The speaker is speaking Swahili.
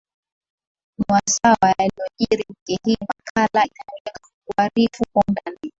ni wasaa wa yaliyojiri wiki hii makala inayolenga kukuarifu kwa undani